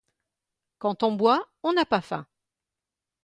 Quand on boit, on n’a pas faim.